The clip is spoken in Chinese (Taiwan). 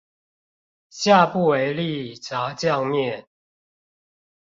下不為例炸醬麵